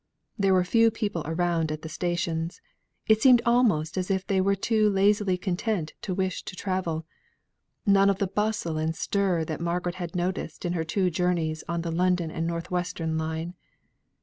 There were few people about at the stations, it almost seemed as if they were too lazily content to wish to travel; none of the bustle and stir that Margaret had noticed in her two journeys on the London and North Western line.